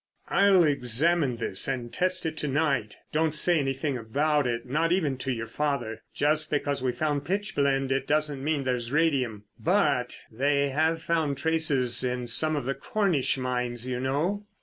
"I'll examine this and test it to night. But don't say anything about it, not even to your father. Just because we've found pitch blende it doesn't mean there's radium. But—they have found traces in some of the Cornish mines, you know."